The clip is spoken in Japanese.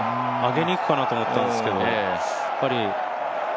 上げにいくかなと思ったんですけど。